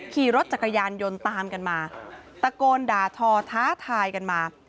ขี่รถจักรยานยนต์ตามกันมาตะโกนด่าทอท้าทายกันมา